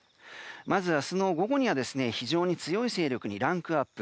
まず明日の午後には非常に強い勢力にランクアップ。